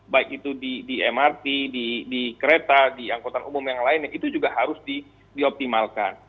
baik itu di mrt di kereta di angkutan umum yang lainnya itu juga harus dioptimalkan